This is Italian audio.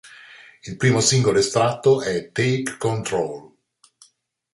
Il primo singolo estratto è "Take Control".